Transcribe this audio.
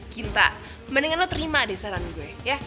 cinta mendingan lo terima deh saran gue